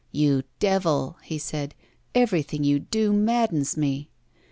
"You devil," he said, "everything you do maddens me.